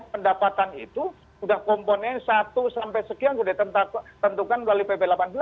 pendapatan itu sudah komponen satu sampai sekian sudah ditentukan melalui pp delapan belas